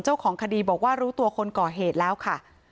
เจ้าของคดีบอกว่ารู้ตัวคนก่อเหตุแล้วค่ะ